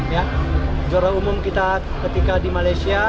ya juara umum kita ketika di malaysia